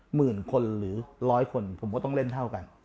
หมื่นคนหรือร้อยคนผมก็ต้องเล่นเท่ากัน